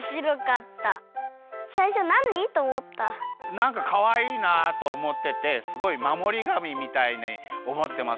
なんかかわいいなあとおもっててすごいまもりがみみたいにおもってます